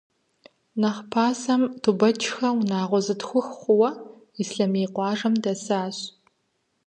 Нэхъ пасэм, Тубэчхэ унагъуэ зытхух хъууэ, Ислъэмей къуажэм дэсащ.